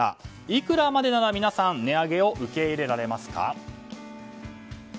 いくらまでなら皆さん値上げを受け入れられますか？